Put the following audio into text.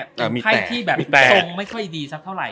๕ไม้เนี่ยไพ่ที่แบบตรงไม่ค่อยดีสักเท่าไหร่